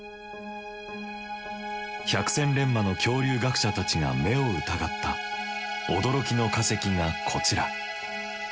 百戦錬磨の恐竜学者たちが目を疑った驚きの化石がこちら。